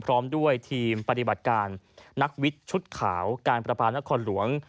พร้อมด้วยทีมปฏิบัติการนักวิทย์ชุดขาวการประปานครหลวง